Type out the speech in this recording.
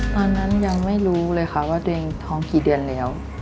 ตอนนั้นยังไม่รู้เลยค่ะว่าตัวเองท้องกี่เดือนแล้ว